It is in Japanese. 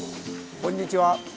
こんにちは。